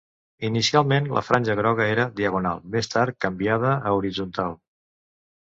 Inicialment la franja groga era diagonal, més tard canviada a horitzontal.